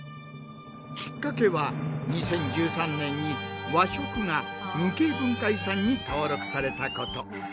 きっかけは２０１３年に和食が無形文化遺産に登録されたこと。